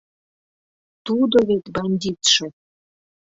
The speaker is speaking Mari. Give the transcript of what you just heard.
Тудо вет бандитше!